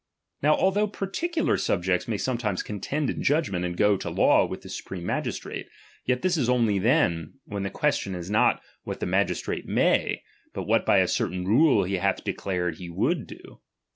Now although particular sub jects may sometimes contend in judgment, and go to law with the supreme magistrate ; yet this is only then, when the question is not what the ma gistrate may, but what by a certain rule he hath ( declared he would do.